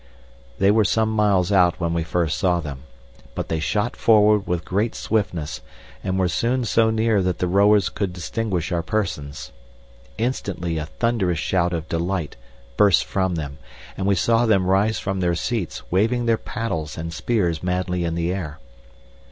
They were some miles out when we first saw them, but they shot forward with great swiftness, and were soon so near that the rowers could distinguish our persons. Instantly a thunderous shout of delight burst from them, and we saw them rise from their seats, waving their paddles and spears madly in the air.